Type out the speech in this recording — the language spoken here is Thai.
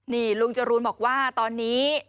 นี่ลุงจรูนบอกว่าตอนนี้